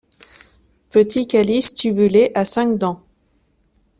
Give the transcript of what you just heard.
Petit calice tubulé à cinq dents.